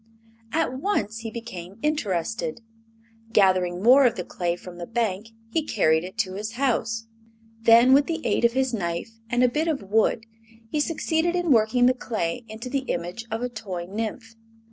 At once he became interested. Gathering more of the clay from the bank he carried it to his house. Then, with the aid of his knife and a bit of wood he succeeded in working the clay into the image of a toy nymph.